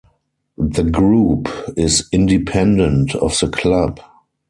The group is independent of the club.